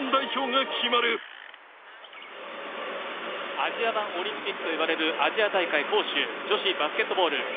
アジア版オリンピックといわれるアジア大会杭州女子バスケットボール。